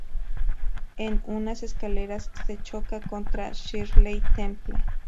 En unas escaleras se choca contra Shirley Temple.